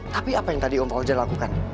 tapi apa yang tadi om fauzan lakukan